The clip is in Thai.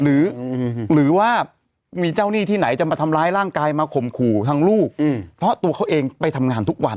หรือว่ามีเจ้าหนี้ที่ไหนจะมาทำร้ายร่างกายมาข่มขู่ทางลูกเพราะตัวเขาเองไปทำงานทุกวัน